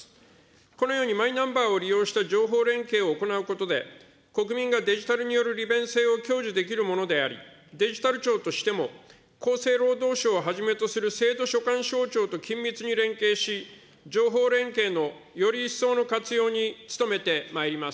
このようにマイナンバーを利用した情報連携を行うことで、国民がデジタルによる利便性を享受できるものであり、デジタル庁としても、厚生労働省をはじめとする制度所管省庁と緊密に連携し、情報連携のより一層の活用に努めてまいります。